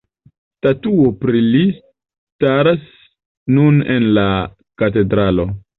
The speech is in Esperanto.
Statuo pri li staras nun en la katedralo.